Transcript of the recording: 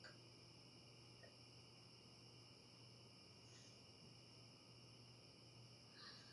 mondo gimak pach ji, kendo giket pachgi kuom gima negiwacho